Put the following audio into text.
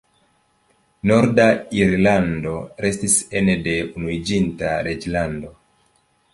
Norda Irlando restis ene de Unuiĝinta Reĝlando.